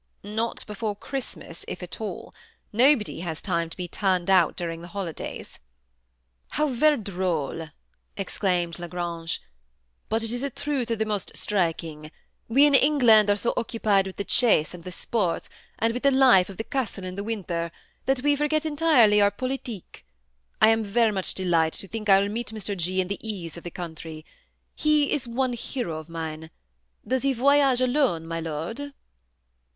" Not before Christmas, if at all. Nobody has time to be turned out during the holidays." " How ver' droll !" exclaimed La Grange ;" but it is a truth of the most striking. We in England are so occupied with the chase and the sport, and with the life of the castle in the winter, that we forget entirely our politique. I am ver' much delight' to think I will meet Mr. G. in the ease of the country. He is one hero of mine. Does he voyage alone, my lord